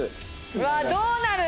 うわーどうなる？